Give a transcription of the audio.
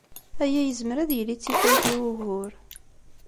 Aya yezmer ad yili d tifrat i wugur.